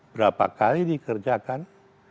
berapa kali dikerjakan